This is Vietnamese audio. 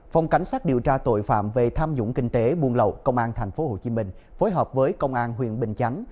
phòng cảnh sát điều tra tội phạm về tham nhũng kinh tế buôn lậu công an tp hcm phối hợp với công an huyện bình chánh